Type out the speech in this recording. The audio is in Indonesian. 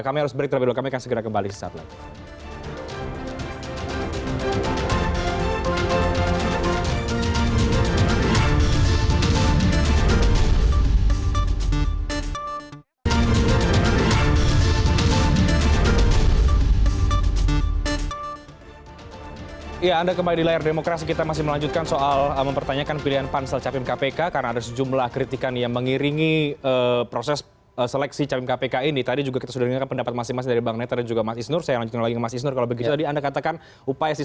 kami harus break terlebih dahulu kami akan segera kembali sesaat lagi